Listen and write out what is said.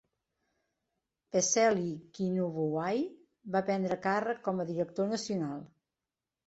Peceli Kinivuwai va prendre càrrec com a director nacional.